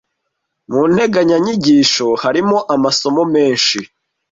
Mu nteganyanyigisho harimo amasomo menshi